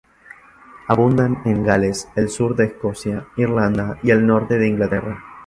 Abundan en Gales, el sur de Escocia, Irlanda y el norte de Inglaterra.